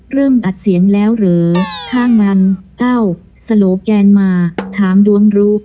อัดเสียงแล้วเหรอถ้างั้นเอ้าสโลแกนมาถามดวงรู้